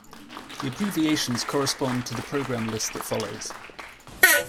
The abbreviations correspond to the program list that follows.